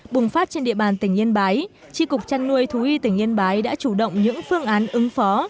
bùng phát trên địa bàn tỉnh yên bái tri cục trăn nuôi thú y tỉnh yên bái đã chủ động những phương án ứng phó